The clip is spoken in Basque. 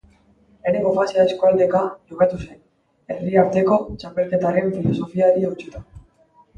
Lehenengo fasea eskualdeka jokatu zen, Herri Arteko txapelketaren filosofiari eutsita.